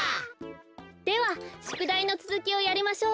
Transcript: ではしゅくだいのつづきをやりましょう。